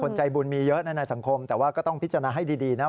ใจบุญมีเยอะในสังคมแต่ว่าก็ต้องพิจารณาให้ดีนะ